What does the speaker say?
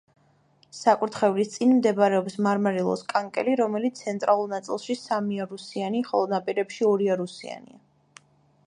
საკურთხევლის წინ მდებარეობს მარმარილოს კანკელი, რომელიც ცენტრალურ ნაწილში სამიარუსიანია, ხოლო ნაპირებში ორიარუსიანი.